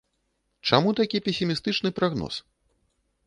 Чаму такі песімістычны прагноз?